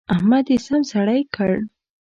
احمد يې سم سړی کړ.